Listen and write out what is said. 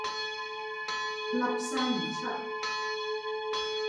粒聲唔出